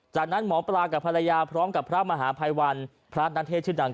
จากนั้นหมอปลากับภรรยาพร้อมกับพระมหาภัยวันพระนักเทศชื่อดัง